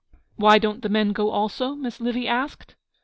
'Why don't the men go also?' Miss Livy asked.